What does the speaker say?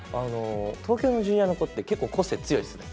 東京のＪｒ．の子って結構個性強いですね。